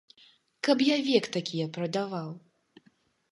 Каб я век такія прадаваў!